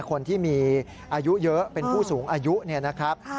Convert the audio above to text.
คนที่มีอายุเยอะเป็นผู้สูงอายุเนี่ยนะครับ